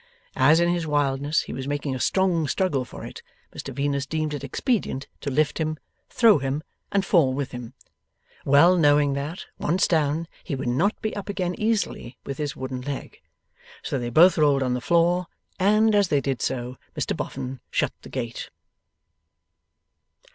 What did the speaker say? As in his wildness he was making a strong struggle for it, Mr Venus deemed it expedient to lift him, throw him, and fall with him; well knowing that, once down, he would not be up again easily with his wooden leg. So they both rolled on the floor, and, as they did so, Mr Boffin shut the gate.